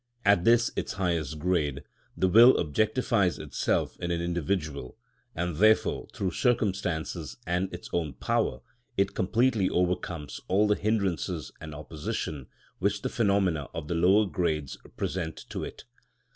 At this its highest grade the will objectifies itself in an individual; and therefore through circumstances and its own power it completely overcomes all the hindrances and opposition which the phenomena of the lower grades present to it.